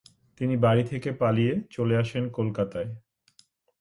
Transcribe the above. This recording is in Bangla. তিনি বাড়ি থেকে পালিয়ে চলে আসেন কলকাতায়।